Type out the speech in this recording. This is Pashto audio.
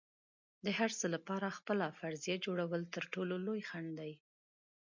د هر څه لپاره خپله فرضیه جوړول تر ټولو لوی خنډ دی.